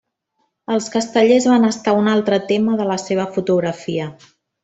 Els castellers van estar un altre tema de la seva fotografia.